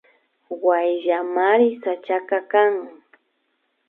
Wayllamari sachaka kan